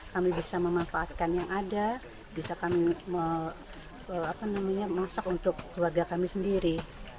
kami bisa memanfaatkan yang ada bisa kami masak untuk keluarga kami sendiri